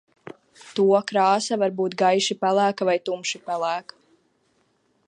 To krāsa var būt gaiši pelēka vai tumši pelēka.